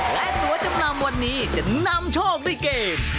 และตัวจำนำวันนี้จะนำโชคด้วยเกม